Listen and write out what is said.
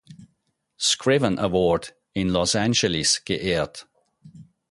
Scriven Award in Los Angeles geehrt.